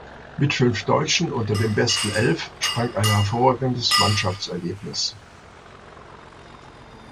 Mit fünf Deutschen unter den besten Elf sprang ein hervorragendes Mannschaftsergebnis.